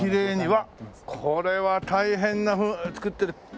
うわっこれは大変な造ってる。